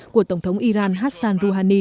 của tổng thống iran hassan rouhani